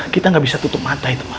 kita gak bisa tutup mata itu pak